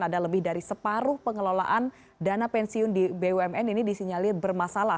ada lebih dari separuh pengelolaan dana pensiun di bumn ini disinyalir bermasalah